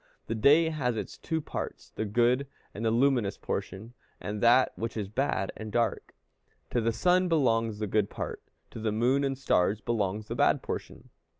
The day has its two parts, the good and luminous portion, and that which is bad and dark. To the sun belongs the good part, to the moon and stars belongs the bad portion.